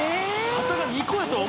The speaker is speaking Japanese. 肩が２個やとは）